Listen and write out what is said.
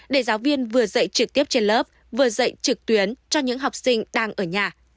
để giáo viên vừa dạy trực tiếp trên lớp vừa dạy trực tuyến cho những học sinh đang ở nhà